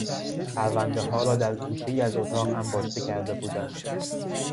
پروندهها را در گوشهای از اتاق انباشته کرده بودند.